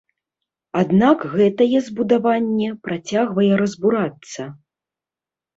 Аднак гэтае збудаванне працягвае разбурацца.